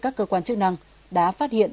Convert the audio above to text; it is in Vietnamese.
các cơ quan chức năng đã phát hiện